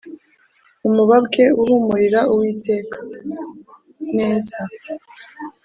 umubabwe uhumurira Uwiteka neza